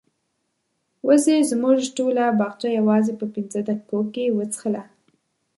وزې زموږ ټوله باغچه یوازې په پنځو دقیقو کې وڅښله.